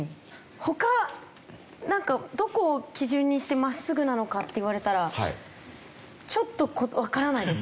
他なんかどこを基準にして真っすぐなのかっていわれたらちょっとわからないです。